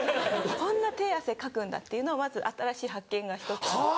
こんな手汗かくんだっていうのをまず新しい発見が１つあって。